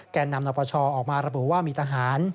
แก่นำรับประชาออกมารับบุว่ามีทหาร